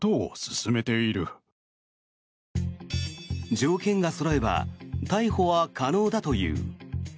条件がそろえば逮捕は可能だという。